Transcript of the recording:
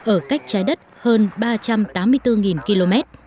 ở cách trái đất hơn ba trăm tám mươi bốn km